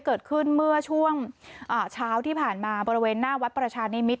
เกิดขึ้นเมื่อช่วงเช้าที่ผ่านมาบริเวณหน้าวัดประชานิมิตร